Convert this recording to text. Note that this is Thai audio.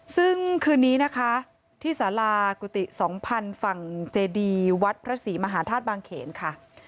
ซึ่งคืนนี้นะคะที่สารากุฏิ๒๐๐ฝั่งเจดีวัดพระศรีมหาธาตุบางเขนค่ะ